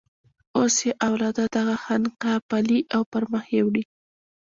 اوس یې اولاده دغه خانقاه پالي او پر مخ یې وړي.